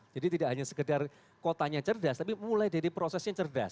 jadi tidak hanya sekedar kotanya cerdas tapi mulai dari prosesnya cerdas